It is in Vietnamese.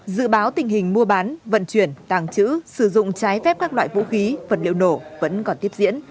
dự báo tình hình mua bán vận chuyển tàng trữ sử dụng trái phép các loại vũ khí vật liệu nổ vẫn còn tiếp diễn